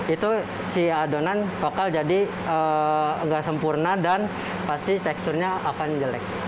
itu si adonan vokal jadi nggak sempurna dan pasti teksturnya akan jelek